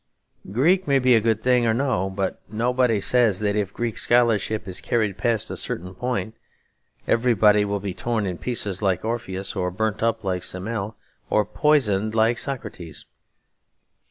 Greek may be a good thing or no; but nobody says that if Greek scholarship is carried past a certain point, everybody will be torn in pieces like Orpheus, or burned up like Semele, or poisoned like Socrates.